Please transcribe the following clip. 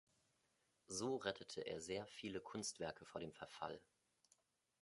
So rettete er sehr viele Kunstwerke vor dem Verfall.